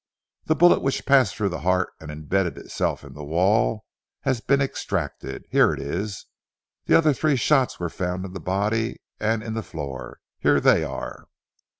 The bullet which passed through the heart and embedded itself in the wall, has been extracted. Here it is. The other three shots were found in the body and in the floor. Here they are."